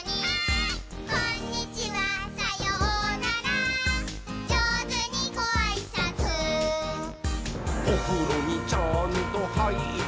「こんにちはさようならじょうずにごあいさつ」「おふろにちゃんとはいったかい？」はいったー！